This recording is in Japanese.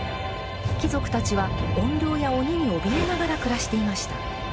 貴族たちは、怨霊や鬼におびえながら暮らしていました。